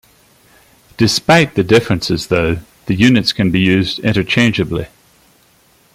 Despite the differences though, the units can be used interchangeably.